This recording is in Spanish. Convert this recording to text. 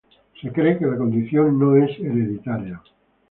Se cree que la condición no es hereditaria.